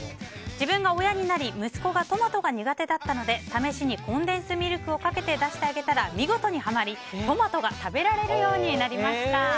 自分が親になり息子がトマトが苦手だったので試しにコンデンスミルクをかけて出してあげたら見事にハマり、トマトが食べられるようになりました。